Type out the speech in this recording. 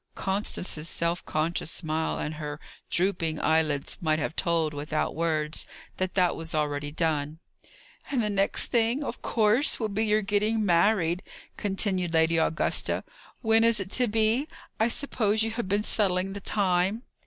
Constance's self conscious smile, and her drooping eyelids might have told, without words, that that was already done. "And the next thing, of course, will be your getting married!" continued Lady Augusta. "When is it to be? I suppose you have been settling the time."